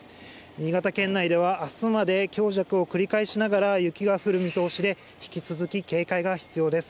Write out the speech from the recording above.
新潟県内ではあすまで強弱を繰り返しながら、雪が降る見通しで、引き続き警戒が必要です。